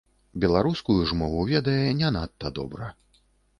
Беларускую ж мову ведае не надта добра.